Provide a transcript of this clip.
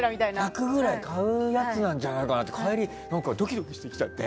１００ぐらい買うやつじゃないかって帰り、ドキドキしてきちゃって。